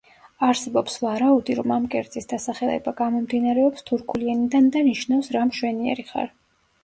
არსებობს ვარაუდი, რომ ამ კერძის დასახელება გამომდინარეობს თურქული ენიდან და ნიშნავს „რა მშვენიერი ხარ“.